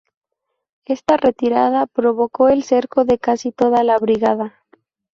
Esta retirada provocó el cerco de casi toda la brigada.